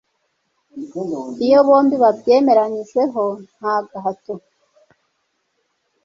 iyo bombi babyemeranyijeho ntagahato